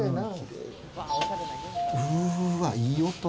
うわ、いい音！